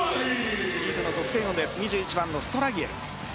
チームの得点王２１番のストラギエル。